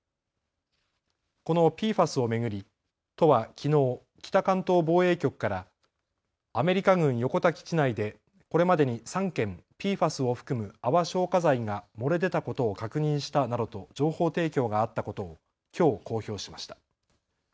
このＰＦＡＳを巡り都はきのう北関東防衛局からアメリカ軍横田基地内でこれまでに３件、ＰＦＡＳを含む泡消火剤が漏れ出たことを確認したなどと情報提供があったことをきょう公表しました。